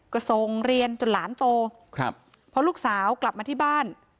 ก็ส่งเรียนจนหลานโตครับพอลูกสาวกลับมาที่บ้าน